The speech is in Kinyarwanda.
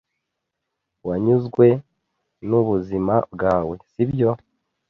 Wanyuzwe n'ubuzima bwawe, sibyo?